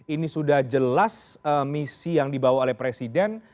apakah itu misi yang dibawa oleh presiden